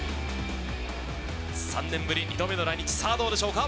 ３年ぶり２度目の来日、さあ、どうでしょうか。